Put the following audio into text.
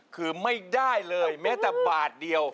คือไม่ได้เลยแม้แต่บาทเดียว